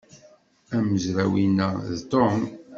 Amezraw-inna d Tom.